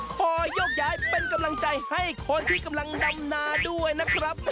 ขอยกย้ายเป็นกำลังใจให้คนที่กำลังดำนาด้วยนะครับ